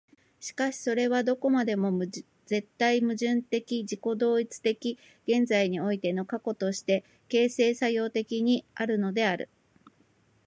しかしそれはどこまでも絶対矛盾的自己同一的現在においての過去として、形成作用的に然るのである。